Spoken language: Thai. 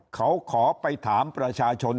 เขาขอไปถามประชาชน